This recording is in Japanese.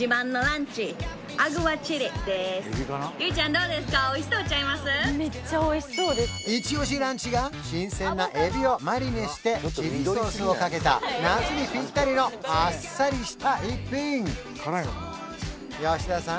イチオシランチが新鮮なエビをマリネしてチリソースをかけた夏にぴったりのあっさりした一品吉田さん